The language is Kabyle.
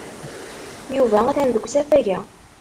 Yuba atan deg usafag-a.